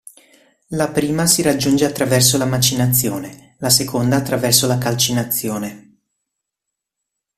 La prima si raggiunge attraverso la macinazione, la seconda attraverso la calcinazione.